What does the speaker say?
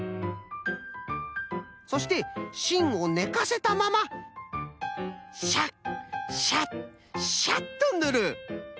そしてしんをねかせたままシャッシャッシャッとぬる。